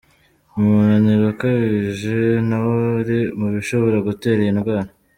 Umunaniro ukabije nawo uri mu bishobora gutera iyi ndwara.